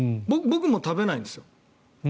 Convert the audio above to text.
僕も食べないんですよ。